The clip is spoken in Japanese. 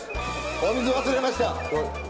お水忘れました。